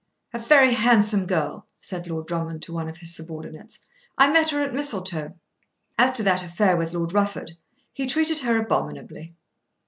"A very handsome girl," said Lord Drummond to one of his subordinates. "I met her at Mistletoe. As to that affair with Lord Rufford, he treated her abominably."